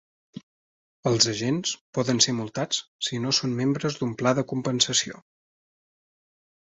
Els agents poden ser multats si no són membres d'un pla de compensació.